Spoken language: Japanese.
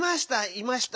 「いました」